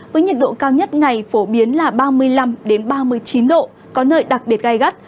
với nhiệt độ cao nhất ngày phổ biến là ba mươi năm ba mươi chín độ có nơi đặc biệt gai gắt